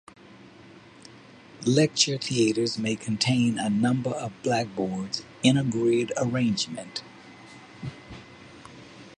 Lecture theatres may contain a number of blackboards in a grid arrangement.